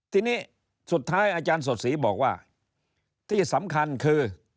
ทีนี้สุดท้ายอาจารย์สดศรีบอกว่าที่สำคัญคือ